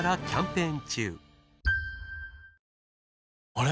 あれ？